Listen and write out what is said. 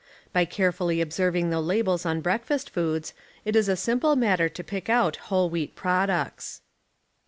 By carefully observing the labels on break fast foods it is a simple matter to pick out whole wheat products.